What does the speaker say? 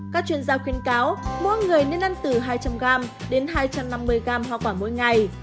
các chuyên gia khuyên cáo mỗi người nên ăn từ hai trăm linh gram đến hai trăm năm mươi gram hoa quả mỗi ngày